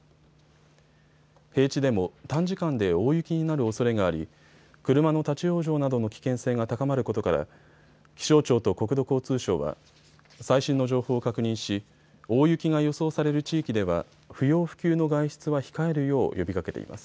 平地でも短時間で大雪になるおそれがあり車の立往生などの危険性が高まることから気象庁と国土交通省は最新の情報を確認し大雪が予想される地域では不要不急の外出は控えるよう呼びかけています。